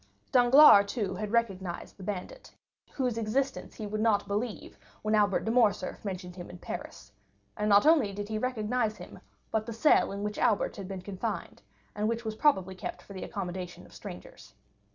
Danglars, too, had recognized the bandit, whose existence he would not believe when Albert de Morcerf mentioned him in Paris; and not only did he recognize him, but the cell in which Albert had been confined, and which was probably kept for the accommodation of strangers.